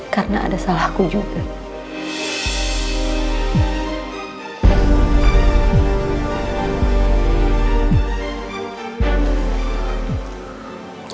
karena ada salahku juga